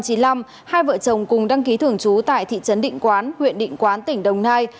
hai vợ chồng cùng đăng ký thường trú tại thị trấn định quán huyện định quán tỉnh đồng nai